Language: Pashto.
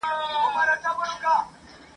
یوه بل ته چي طبیب سي د زاړه پرهار حبیب سي ..